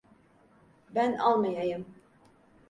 Ben almayayım.